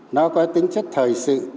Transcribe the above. nó có tính chất thời sự